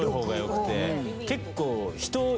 結構。